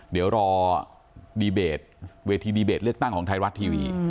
เดี๋ยวรอดีเบตเวทีดีเบตเลือกตั้งของไทยรัฐทีวี